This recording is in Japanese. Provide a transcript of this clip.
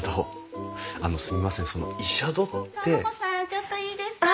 ちょっといいですか？